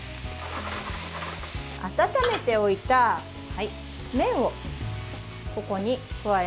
温めておいた麺をここに加えます。